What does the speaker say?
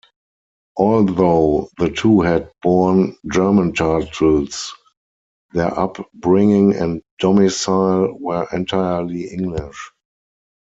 Although the two had borne German titles, their upbringing and domicile were entirely English.